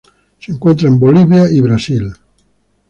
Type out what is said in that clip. Se encuentra en Bolivia y Brasil.